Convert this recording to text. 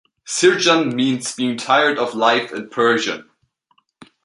Sirjan means "being tired of life" in Persian.